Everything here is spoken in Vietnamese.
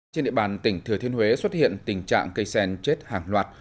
trên địa bàn tỉnh thừa thiên huế xuất hiện tình trạng cây sen chết hàng loạt